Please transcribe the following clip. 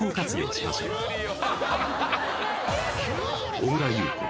小倉優子